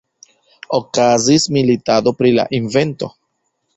Okazis militado pri la invento.